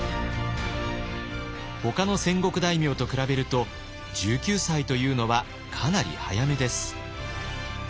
ほかの戦国大名と比べると１９歳というのはかなり早めです。